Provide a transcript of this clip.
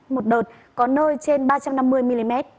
một đợt có nơi trên ba trăm năm mươi mm